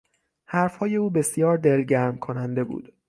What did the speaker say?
حرفهای او بسیار دلگرم کننده بود.